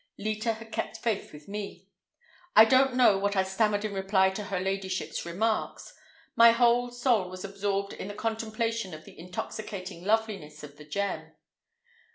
Leta had kept faith with me. I don't know what I stammered in reply to her ladyship's remarks; my whole soul was absorbed in the contemplation of the intoxicating loveliness of the gem.